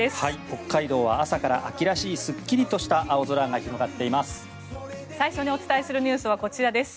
北海道は朝から秋らしいすっきりとした青空が広がっています。